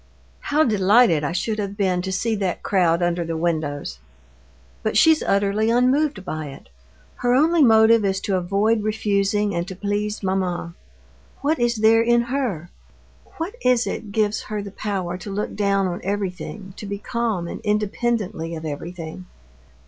How delighted I should have been to see that crowd under the windows! But she's utterly unmoved by it. Her only motive is to avoid refusing and to please mamma. What is there in her? What is it gives her the power to look down on everything, to be calm independently of everything?